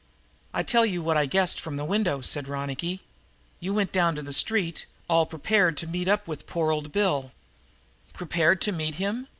"I tell you what I guessed from the window," said Ronicky. "You went down to the street, all prepared to meet up with poor old Bill " "Prepared to meet him?"